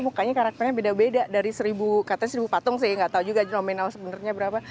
mukanya karakternya beda beda dari seribu katanya seribu patung sih nggak tahu juga nominal sebenarnya berapa